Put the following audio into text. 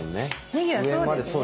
ねぎはそうですね。